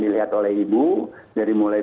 dilihat oleh ibu dari mulai